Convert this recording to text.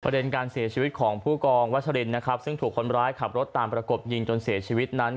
เด็นการเสียชีวิตของผู้กองวัชรินนะครับซึ่งถูกคนร้ายขับรถตามประกบยิงจนเสียชีวิตนั้น